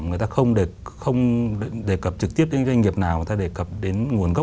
người ta không đề cập trực tiếp đến doanh nghiệp nào người ta đề cập đến nguồn gốc